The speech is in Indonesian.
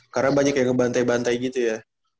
karena banyak yang ngebantai bantai gitu ya